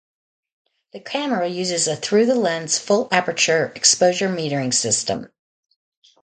The camera uses a through-the-lens full-aperture exposure metering system.